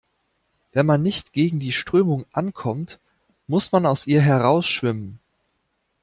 Wenn man nicht gegen die Strömung ankommt, muss man aus ihr heraus schwimmen.